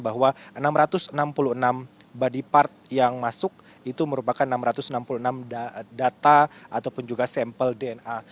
bahwa enam ratus enam puluh enam body part yang masuk itu merupakan enam ratus enam puluh enam data ataupun juga sampel dna